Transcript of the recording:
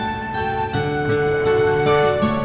jangan sampai banyak melewati rasa sakit